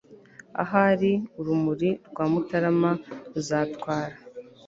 Ahari urumuri rwa Mutarama ruzatwara